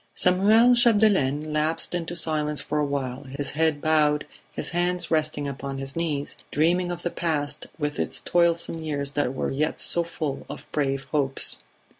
Samuel Chapdelaine lapsed into silence for a while, his head bowed, his hands resting upon his knees, dreaming of the past with its toilsome years that were yet so full of brave hopes.